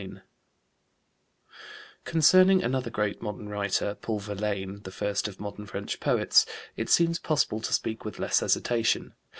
Concerning another great modern writer Paul Verlaine, the first of modern French poets it seems possible to speak with less hesitation.